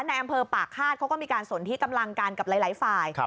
ในอำเภอปากฆาตเขาก็มีการสนที่กำลังกันกับหลายฝ่าย